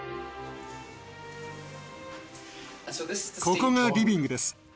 ここがリビングです。